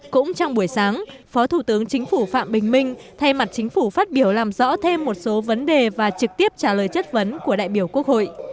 cũng trong buổi sáng phó thủ tướng chính phủ phạm bình minh thay mặt chính phủ phát biểu làm rõ thêm một số vấn đề và trực tiếp trả lời chất vấn của đại biểu quốc hội